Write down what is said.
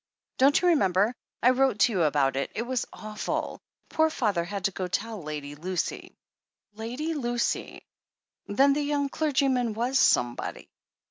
Don't you remember? I wrote to you about it. It was awful. Poor father had to go and tell Lady Lucy." "Lady Lucy!" Then the young clergyman was "somebody."